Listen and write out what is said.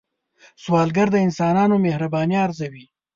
سوالګر د انسانانو مهرباني ارزوي